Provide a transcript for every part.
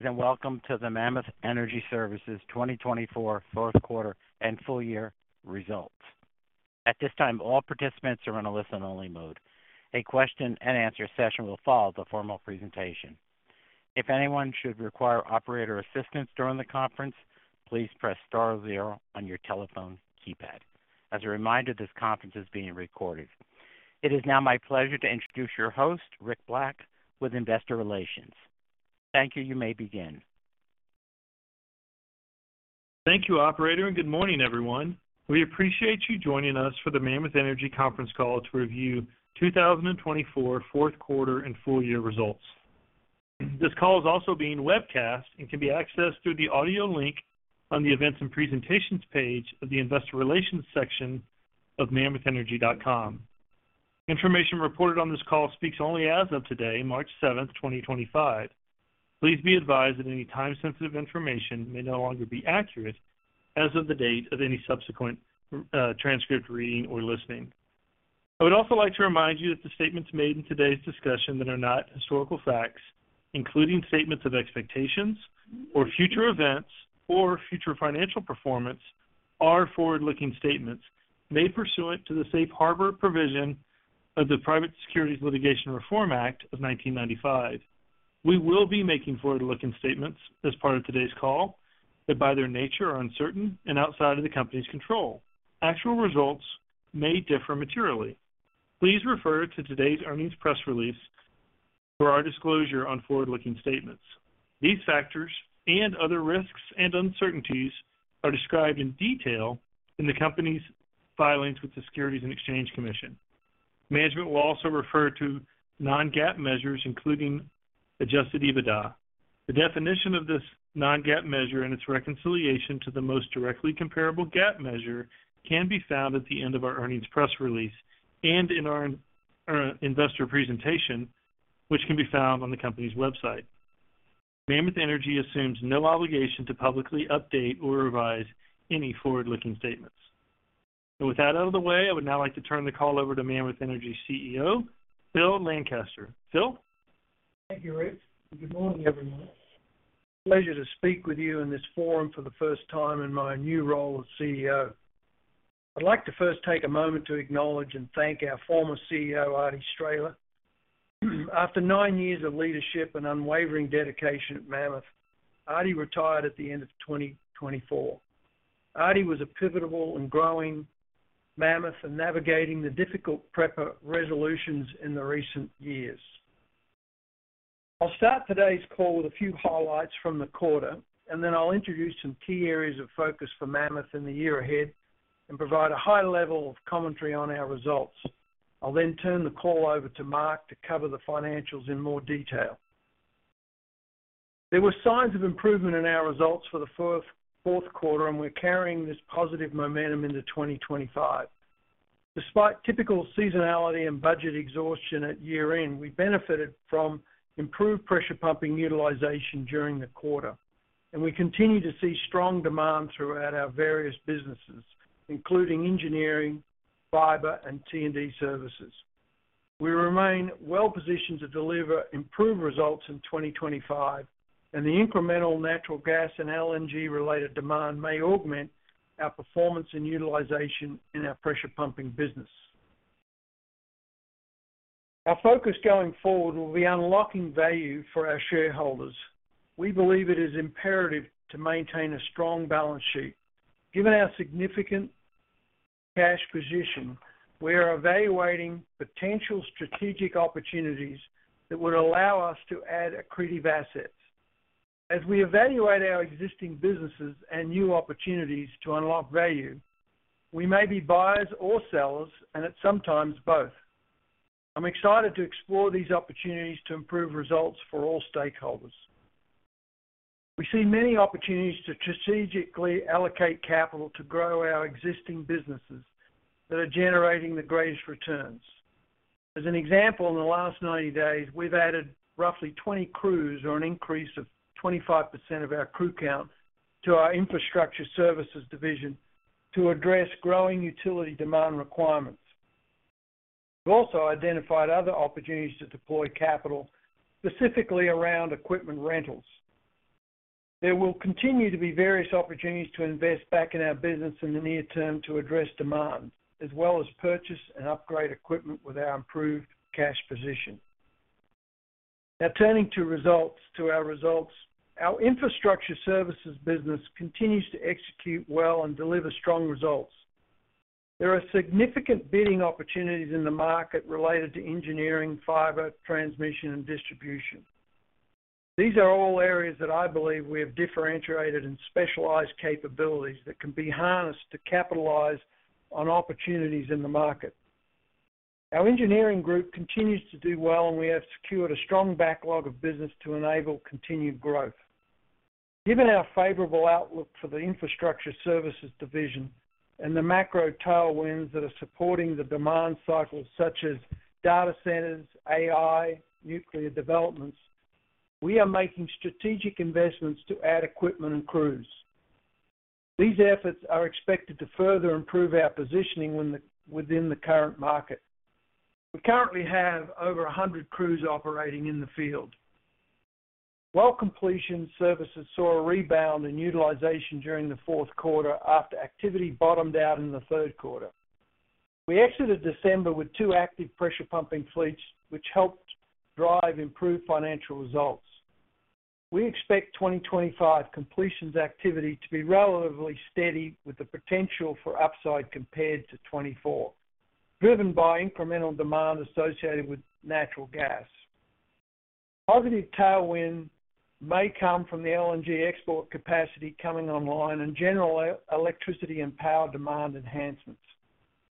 Welcome to the Mammoth Energy Services 2024 fourth quarter and full year results. At this time, all participants are in a listen-only mode. A question-and-answer session will follow the formal presentation. If anyone should require operator assistance during the conference, please press star zero on your telephone keypad. As a reminder, this conference is being recorded. It is now my pleasure to introduce your host, Rick Black, with Investor Relations. Thank you. You may begin. Thank you, Operator, and good morning, everyone. We appreciate you joining us for the Mammoth Energy Services conference call to review 2024 fourth quarter and full year results. This call is also being webcast and can be accessed through the audio link on the events and presentations page of the Investor Relations section of mammothenergy.com. Information reported on this call speaks only as of today, March 7th, 2025. Please be advised that any time-sensitive information may no longer be accurate as of the date of any subsequent transcript reading or listening. I would also like to remind you that the statements made in today's discussion that are not historical facts, including statements of expectations or future events or future financial performance, are forward-looking statements made pursuant to the safe harbor provision of the Private Securities Litigation Reform Act of 1995. We will be making forward-looking statements as part of today's call that, by their nature, are uncertain and outside of the company's control. Actual results may differ materially. Please refer to today's earnings press release for our disclosure on forward-looking statements. These factors and other risks and uncertainties are described in detail in the company's filings with the Securities and Exchange Commission. Management will also refer to non-GAAP measures, including adjusted EBITDA. The definition of this non-GAAP measure and its reconciliation to the most directly comparable GAAP measure can be found at the end of our earnings press release and in our investor presentation, which can be found on the company's website. Mammoth Energy assumes no obligation to publicly update or revise any forward-looking statements. With that out of the way, I would now like to turn the call over to Mammoth Energy CEO, Phil Lancaster. Phil? Thank you, Rick. Good morning, everyone. It's a pleasure to speak with you in this forum for the first time in my new role as CEO. I'd like to first take a moment to acknowledge and thank our former CEO, Arty Straehla. After nine years of leadership and unwavering dedication at Mammoth, Arty retired at the end of 2024. Arty was pivotal in growing Mammoth and navigating the difficult resolutions in the recent years. I'll start today's call with a few highlights from the quarter, and then I'll introduce some key areas of focus for Mammoth in the year ahead and provide a high level of commentary on our results. I'll then turn the call over to Mark to cover the financials in more detail. There were signs of improvement in our results for the fourth quarter, and we're carrying this positive momentum into 2025. Despite typical seasonality and budget exhaustion at year-end, we benefited from improved pressure pumping utilization during the quarter, and we continue to see strong demand throughout our various businesses, including engineering, fiber, and T&D services. We remain well-positioned to deliver improved results in 2025, and the incremental natural gas and LNG-related demand may augment our performance and utilization in our pressure pumping business. Our focus going forward will be unlocking value for our shareholders. We believe it is imperative to maintain a strong balance sheet. Given our significant cash position, we are evaluating potential strategic opportunities that would allow us to add accretive assets. As we evaluate our existing businesses and new opportunities to unlock value, we may be buyers or sellers, and at sometimes both. I'm excited to explore these opportunities to improve results for all stakeholders. We see many opportunities to strategically allocate capital to grow our existing businesses that are generating the greatest returns. As an example, in the last 90 days, we've added roughly 20 crews or an increase of 25% of our crew count to our infrastructure services division to address growing utility demand requirements. We've also identified other opportunities to deploy capital, specifically around equipment rentals. There will continue to be various opportunities to invest back in our business in the near term to address demand, as well as purchase and upgrade equipment with our improved cash position. Now, turning to our results, our infrastructure services business continues to execute well and deliver strong results. There are significant bidding opportunities in the market related to engineering, fiber, transmission, and distribution. These are all areas that I believe we have differentiated and specialized capabilities that can be harnessed to capitalize on opportunities in the market. Our engineering group continues to do well, and we have secured a strong backlog of business to enable continued growth. Given our favorable outlook for the infrastructure services division and the macro tailwinds that are supporting the demand cycles, such as data centers, AI, nuclear developments, we are making strategic investments to add equipment and crews. These efforts are expected to further improve our positioning within the current market. We currently have over 100 crews operating in the field. Well completion services saw a rebound in utilization during the fourth quarter after activity bottomed out in the third quarter. We exited December with two active pressure pumping fleets, which helped drive improved financial results. We expect 2025 completions activity to be relatively steady with the potential for upside compared to 2024, driven by incremental demand associated with natural gas. Positive tailwinds may come from the LNG export capacity coming online and general electricity and power demand enhancements.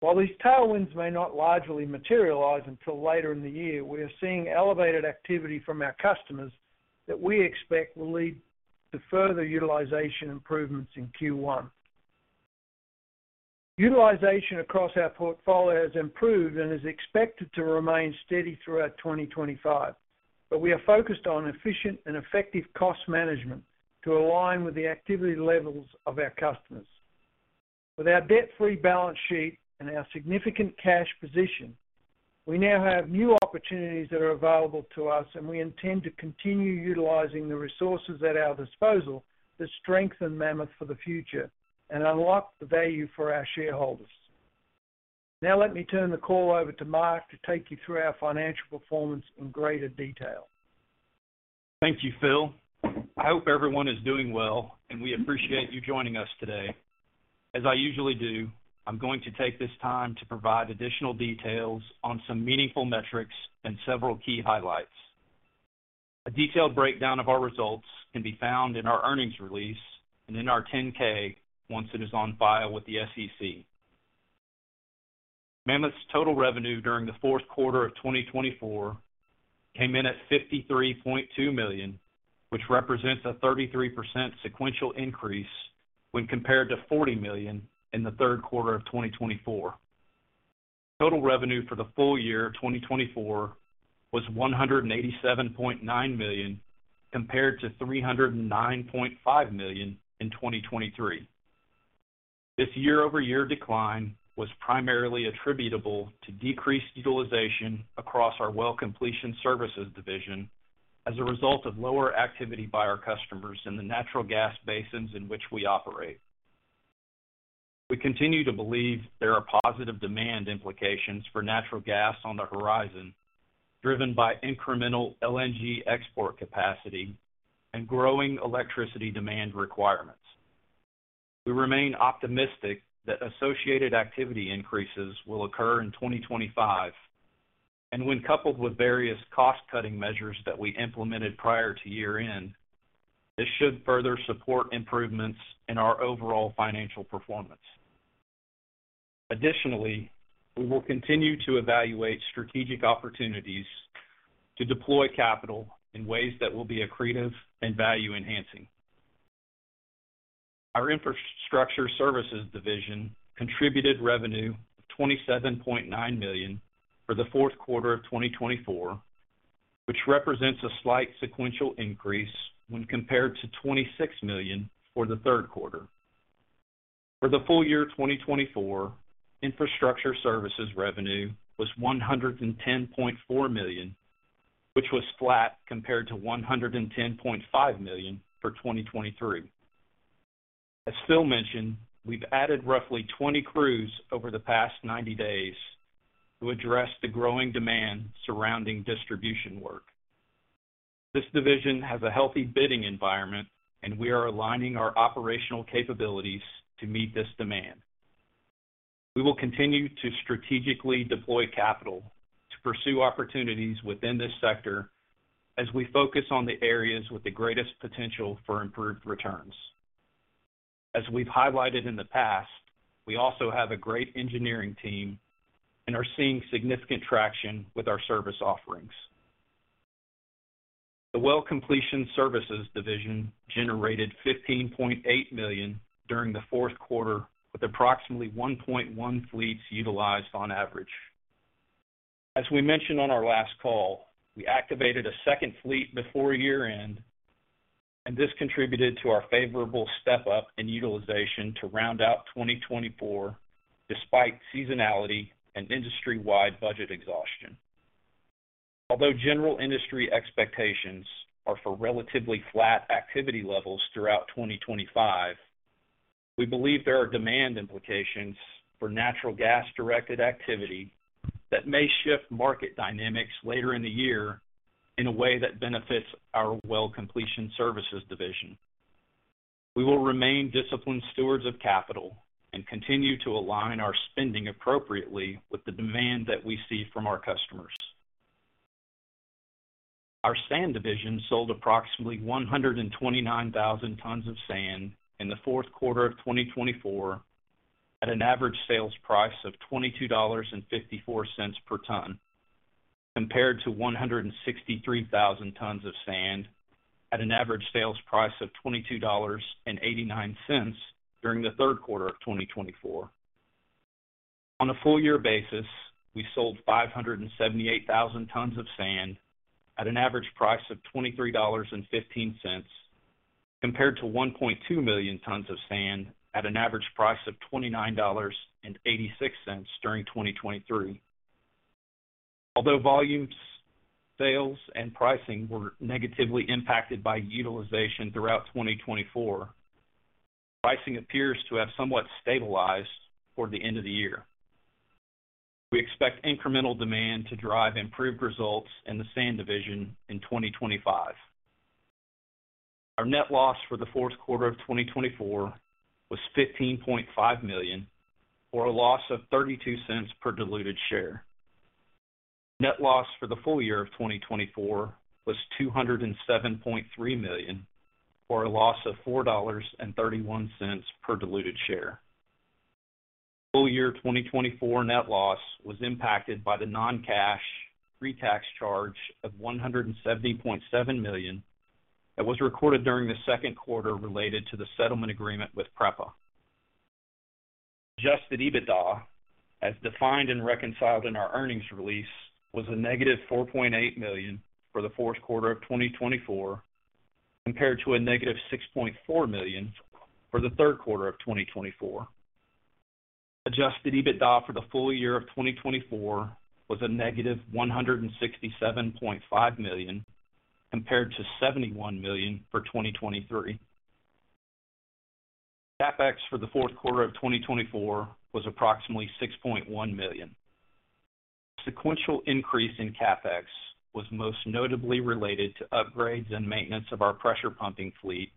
While these tailwinds may not largely materialize until later in the year, we are seeing elevated activity from our customers that we expect will lead to further utilization improvements in Q1. Utilization across our portfolio has improved and is expected to remain steady throughout 2025, but we are focused on efficient and effective cost management to align with the activity levels of our customers. With our debt-free balance sheet and our significant cash position, we now have new opportunities that are available to us, and we intend to continue utilizing the resources at our disposal to strengthen Mammoth for the future and unlock the value for our shareholders. Now, let me turn the call over to Mark to take you through our financial performance in greater detail. Thank you, Phil. I hope everyone is doing well, and we appreciate you joining us today. As I usually do, I'm going to take this time to provide additional details on some meaningful metrics and several key highlights. A detailed breakdown of our results can be found in our earnings release and in our 10-K once it is on file with the SEC. Mammoth's total revenue during the fourth quarter of 2024 came in at $53.2 million, which represents a 33% sequential increase when compared to $40 million in the third quarter of 2024. Total revenue for the full year of 2024 was $187.9 million compared to $309.5 million in 2023. This year-over-year decline was primarily attributable to decreased utilization across our well completion services division as a result of lower activity by our customers in the natural gas basins in which we operate. We continue to believe there are positive demand implications for natural gas on the horizon, driven by incremental LNG export capacity and growing electricity demand requirements. We remain optimistic that associated activity increases will occur in 2025, and when coupled with various cost-cutting measures that we implemented prior to year-end, this should further support improvements in our overall financial performance. Additionally, we will continue to evaluate strategic opportunities to deploy capital in ways that will be accretive and value-enhancing. Our infrastructure services division contributed revenue of $27.9 million for the fourth quarter of 2024, which represents a slight sequential increase when compared to $26 million for the third quarter. For the full year 2024, infrastructure services revenue was $110.4 million, which was flat compared to $110.5 million for 2023. As Phil mentioned, we've added roughly 20 crews over the past 90 days to address the growing demand surrounding distribution work. This division has a healthy bidding environment, and we are aligning our operational capabilities to meet this demand. We will continue to strategically deploy capital to pursue opportunities within this sector as we focus on the areas with the greatest potential for improved returns. As we've highlighted in the past, we also have a great engineering team and are seeing significant traction with our service offerings. The well completion services division generated $15.8 million during the fourth quarter, with approximately 1.1 fleets utilized on average. As we mentioned on our last call, we activated a second fleet before year-end, and this contributed to our favorable step-up in utilization to round out 2024 despite seasonality and industry-wide budget exhaustion. Although general industry expectations are for relatively flat activity levels throughout 2025, we believe there are demand implications for natural gas-directed activity that may shift market dynamics later in the year in a way that benefits our well completion services division. We will remain disciplined stewards of capital and continue to align our spending appropriately with the demand that we see from our customers. Our sand division sold approximately 129,000 tons of sand in the fourth quarter of 2024 at an average sales price of $22.54 per ton, compared to 163,000 tons of sand at an average sales price of $22.89 during the third quarter of 2024. On a full year basis, we sold 578,000 tons of sand at an average price of $23.15, compared to 1.2 million tons of sand at an average price of $29.86 during 2023. Although volumes, sales, and pricing were negatively impacted by utilization throughout 2024, pricing appears to have somewhat stabilized toward the End of the year. We expect incremental demand to drive improved results in the sand division in 2025. Our net loss for the fourth quarter of 2024 was $15.5 million for a loss of $0.32 per diluted share. Net loss for the full year of 2024 was $207.3 million for a loss of $4.31 per diluted share. Full year 2024 net loss was impacted by the non-cash pre-tax charge of $170.7 million that was recorded during the second quarter related to the settlement agreement with PREPA. Adjusted EBITDA, as defined and reconciled in our earnings release, was a negative $4.8 million for the fourth quarter of 2024, compared to a negative $6.4 million for the third quarter of 2024. Adjusted EBITDA for the full year of 2024 was a negative $167.5 million, compared to $71 million for 2023. CapEx for the fourth quarter of 2024 was approximately $6.1 million. The sequential increase in CapEx was most notably related to upgrades and maintenance of our pressure pumping fleet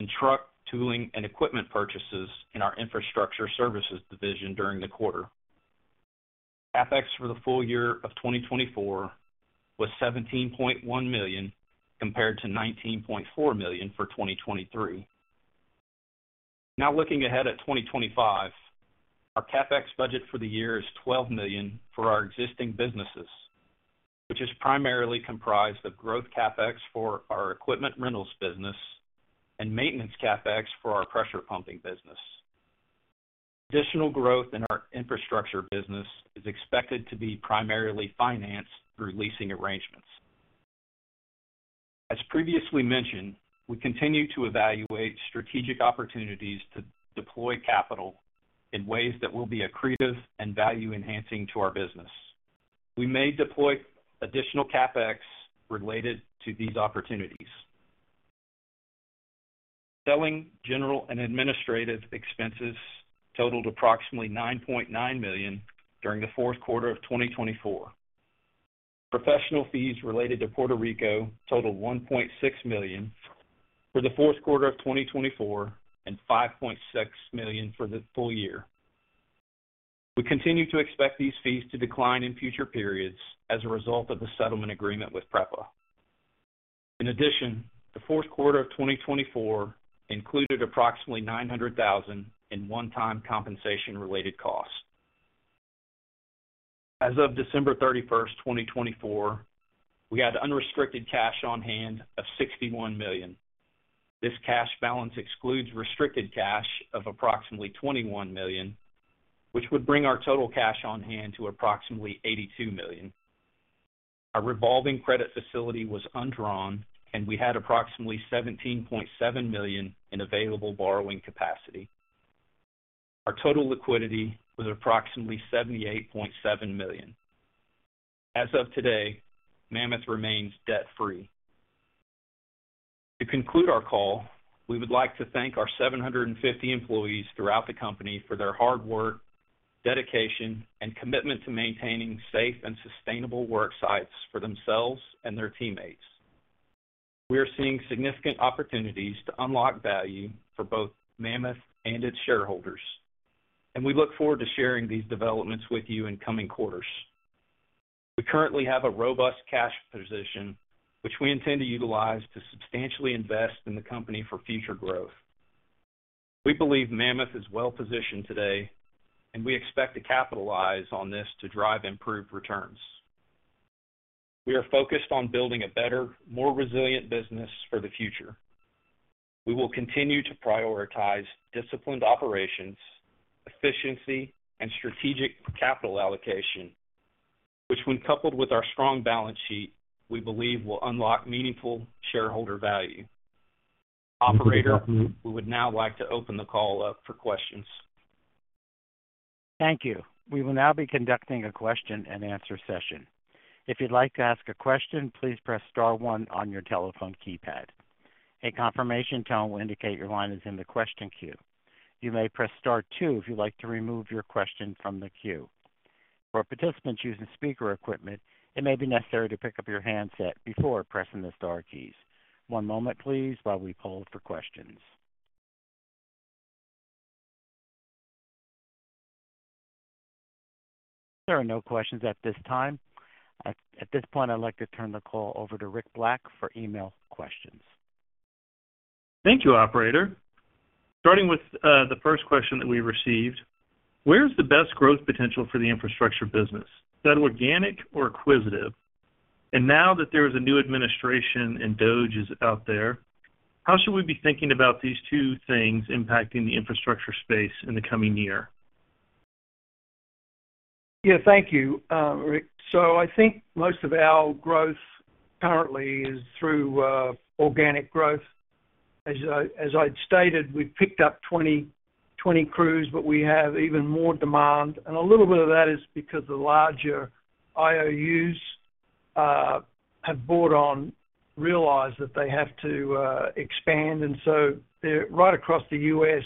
and truck tooling and equipment purchases in our infrastructure services division during the quarter. CapEx for the full year of 2024 was $17.1 million, compared to $19.4 million for 2023. Now, looking ahead at 2025, our CapEx budget for the year is $12 million for our existing businesses, which is primarily comprised of growth CapEx for our equipment rentals business and maintenance CapEx for our pressure pumping business. Additional growth in our infrastructure business is expected to be primarily financed through leasing arrangements. As previously mentioned, we continue to evaluate strategic opportunities to deploy capital in ways that will be accretive and value-enhancing to our business. We may deploy additional CapEx related to these opportunities. Selling, general and administrative expenses totaled approximately $9.9 million during the fourth quarter of 2024. Professional fees related to Puerto Rico totaled $1.6 million for the fourth quarter of 2024 and $5.6 million for the full year. We continue to expect these fees to decline in future periods as a result of the settlement agreement with PREPA. In addition, the fourth quarter of 2024 included approximately $900,000 in one-time compensation-related costs. As of December 31st, 2024, we had unrestricted cash on hand of $61 million. This cash balance excludes restricted cash of approximately $21 million, which would bring our total cash on hand to approximately $82 million. Our revolving credit facility was undrawn, and we had approximately $17.7 million in available borrowing capacity. Our total liquidity was approximately $78.7 million. As of today, Mammoth remains debt-free. To conclude our call, we would like to thank our 750 employees throughout the company for their hard work, dedication, and commitment to maintaining safe and sustainable work sites for themselves and their teammates. We are seeing significant opportunities to unlock value for both Mammoth and its shareholders, and we look forward to sharing these developments with you in coming quarters. We currently have a robust cash position, which we intend to utilize to substantially invest in the company for future growth. We believe Mammoth is well positioned today, and we expect to capitalize on this to drive improved returns. We are focused on building a better, more resilient business for the future. We will continue to prioritize disciplined operations, efficiency, and strategic capital allocation, which, when coupled with our strong balance sheet, we believe will unlock meaningful shareholder value. Operator, we would now like to open the call up for questions. Thank you. We will now be conducting a question-and-answer session. If you'd like to ask a question, please press star one on your telephone keypad. A confirmation tone will indicate your line is in the question queue. You may press star two if you'd like to remove your question from the queue. For participants using speaker equipment, it may be necessary to pick up your handset before pressing the star keys. One moment, please, while we poll for questions. There are no questions at this time. At this point, I'd like to turn the call over to Rick Black for email questions. Thank you, Operator. Starting with the first question that we received, where is the best growth potential for the infrastructure business? Is that organic or acquisitive? Now that there is a new administration and DOGE is out there, how should we be thinking about these two things impacting the infrastructure space in the coming year? Yeah, thank you, Rick. I think most of our growth currently is through organic growth. As I'd stated, we've picked up 20 crews, but we have even more demand. A little bit of that is because the larger IOUs have bought on, realized that they have to expand. Right across the U.S.,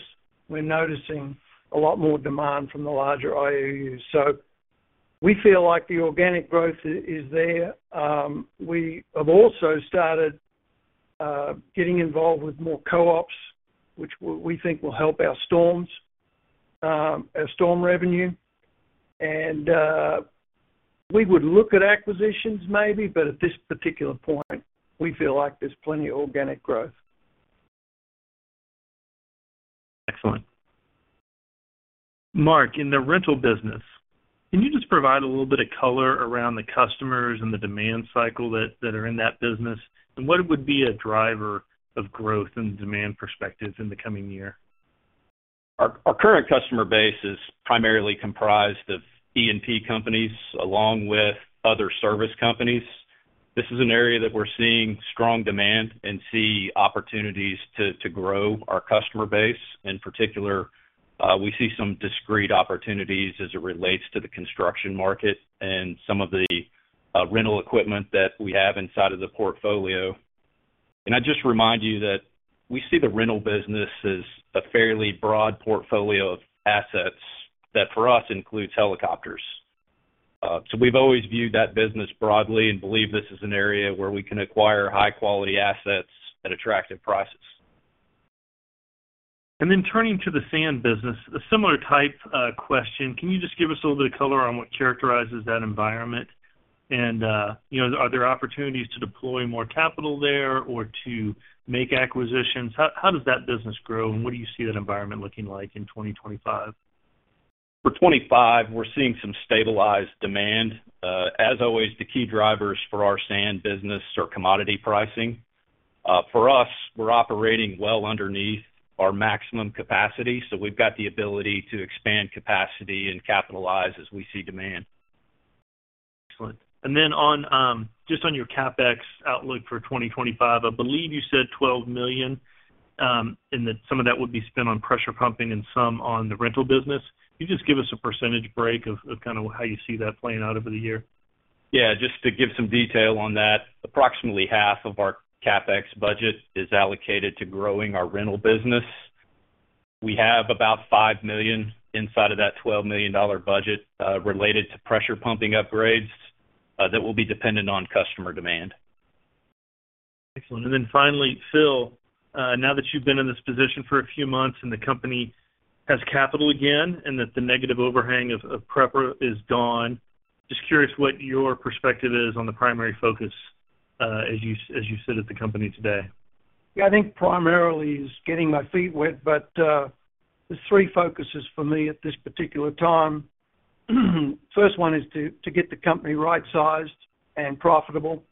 we're noticing a lot more demand from the larger IOUs. We feel like the organic growth is there. We have also started getting involved with more co-ops, which we think will help our storm revenue. We would look at acquisitions maybe, but at this particular point, we feel like there's plenty of organic growth. Excellent. Mark, in the rental business, can you just provide a little bit of color around the customers and the demand cycle that are in that business? What would be a driver of growth and demand perspective in the coming year? Our current customer base is primarily comprised of E&P companies along with other service companies. This is an area that we're seeing strong demand and see opportunities to grow our customer base. In particular, we see some discrete opportunities as it relates to the construction market and some of the rental equipment that we have inside of the portfolio. I just remind you that we see the rental business as a fairly broad portfolio of assets that, for us, includes helicopters. We have always viewed that business broadly and believe this is an area where we can acquire high-quality assets at attractive prices. Turning to the sand business, a similar type question. Can you just give us a little bit of color on what characterizes that environment? And are there opportunities to deploy more capital there or to make acquisitions? How does that business grow, and what do you see that environment looking like in 2025? For 2025, we're seeing some stabilized demand. As always, the key drivers for our sand business are commodity pricing. For us, we're operating well underneath our maximum capacity, so we've got the ability to expand capacity and capitalize as we see demand. Excellent. Just on your CapEx outlook for 2025, I believe you said $12 million and that some of that would be spent on pressure pumping and some on the rental business. Can you just give us a percentage break of kind of how you see that playing out over the year? Yeah. Just to give some detail on that, approximately half of our CapEx budget is allocated to growing our rental business. We have about $5 million inside of that $12 million budget related to pressure pumping upgrades that will be dependent on customer demand. Excellent. Finally, Phil, now that you've been in this position for a few months and the company has capital again and that the negative overhang of PREPA is gone, just curious what your perspective is on the primary focus as you sit at the company today. Yeah, I think primarily is getting my feet wet, but there's three focuses for me at this particular time. First one is to get the company right-sized and profitable.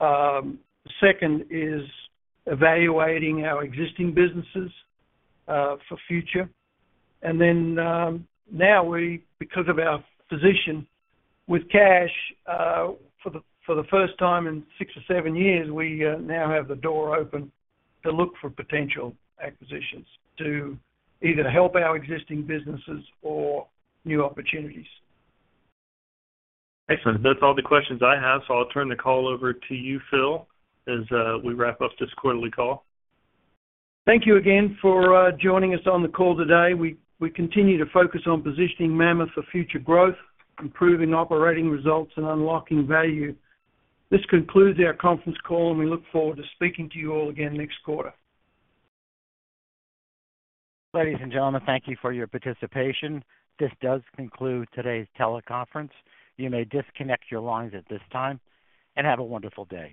Second is evaluating our existing businesses for future. And then now, because of our position with cash, for the first time in six or seven years, we now have the door open to look for potential acquisitions to either help our existing businesses or new opportunities. Excellent. That's all the questions I have, so I'll turn the call over to you, Phil, as we wrap up this quarterly call. Thank you again for joining us on the call today. We continue to focus on positioning Mammoth for future growth, improving operating results, and unlocking value. This concludes our conference call, and we look forward to speaking to you all again next quarter. Ladies and gentlemen, thank you for your participation. This does conclude today's teleconference. You may disconnect your lines at this time and have a wonderful day.